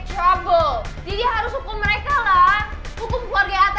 jangan harap aku bakal terima hubungan daddy